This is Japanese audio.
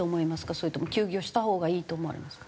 それとも休業したほうがいいと思われますか？